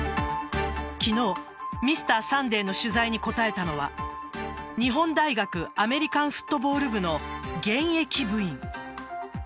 昨日Ｍｒ．サンデーの取材に答えたのは日本大学アメリカンフットボール部の現役部員。